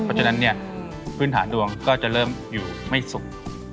เพราะฉะนั้นเนี่ยพื้นฐานดวงก็จะเริ่มอยู่ไม่สุข